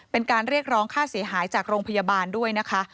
เป็นการเรียกร้องค่าเสียหายจากโรงพยาบาลด้วยนะคะ